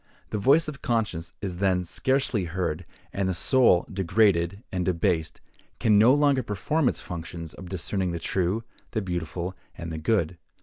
The voice of conscience is then scarcely heard; and the soul, degraded and debased, can no longer perform its functions of discerning the true, the beautiful, and the good.